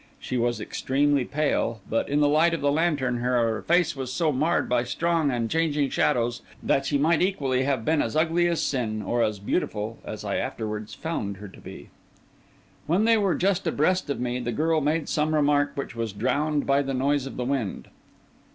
She was extremely pale; but in the light of the lantern her face was so marred by strong and changing shadows, that she might equally well have been as ugly as sin or as beautiful as I afterwards found her to be. When they were just abreast of me, the girl made some remark which was drowned by the noise of the wind.